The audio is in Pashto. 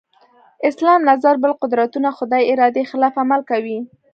اسلام نظر بل قدرتونه خدای ارادې خلاف عمل کوي.